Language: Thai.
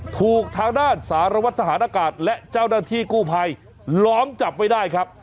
ถูกทางด้านสารวัตรทหารอากาศและเจ้าหน้าที่กู้ภัยล้อมจับไว้ได้ครับ